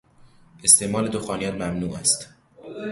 استعمال دخانیات ممنوع است.